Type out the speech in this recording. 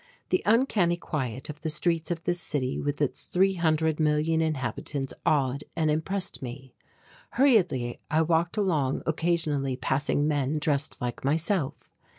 The uncanny quiet of the streets of this city with its three hundred million inhabitants awed and oppressed me. Hurriedly I walked along occasionally passing men dressed like myself.